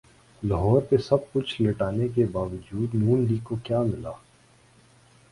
لاہور پہ سب کچھ لٹانے کے باوجود ن لیگ کو کیا ملا؟